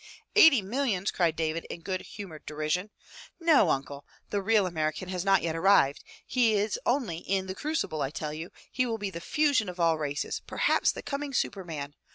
'* "Eighty millions," cried David in good humored derision. "No, uncle, the real American has not yet arrived. He is only in the crucible, I tell you — he will be the fusion of all races, perhaps the coming superman!